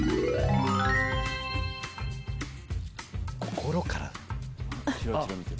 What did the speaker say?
「心から」だ。